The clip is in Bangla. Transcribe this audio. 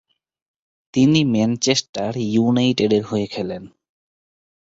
তিনি ম্যানচেস্টার ইউনাইটেডের হয়ে খেলেন।